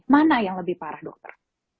mana yang lebih parah dokter